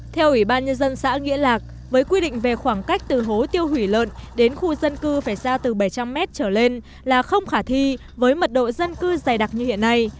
theo ủy ban nhân dân xã nghĩa lạc với quy định về khoảng cách từ hố tiêu hủy lợn đến khu dân cư phải xa từ bảy trăm linh m trở lên là không khả thi với mật độ dân cư dày đặc như hiện nay